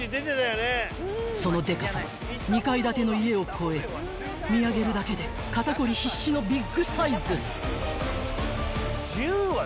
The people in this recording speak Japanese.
［そのでかさ２階建ての家をこえ見上げるだけで肩こり必至のビッグサイズ］